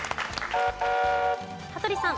羽鳥さん。